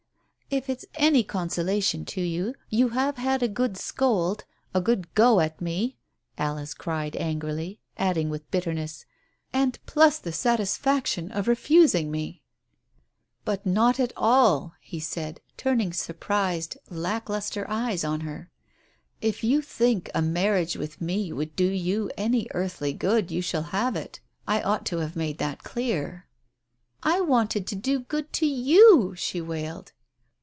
" If it's any consolation to you, you have had a good scold — a good go at me !" Alice cried angrily, adding with bitterness, "And plus the satisfaction of refusing me !" Digitized by Google THE TELEGRAM 23 "But not at all!" he said, turning surprised, lack lustre eyes on her. "If you think a marriage with me would do you any earthly good, you shall have it. I ought to have made that clear " "I wanted to do good to you!" she wailed.